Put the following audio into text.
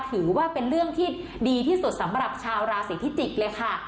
ถือว่าเป็นเรื่องที่ดีที่สุดสำหรับชาวราศีพิจิกเลยค่ะ